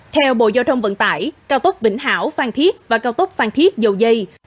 theo bộ giao thông vận tải cao tốc vĩnh hảo phang thiết và cao tốc phang thiết dầu dây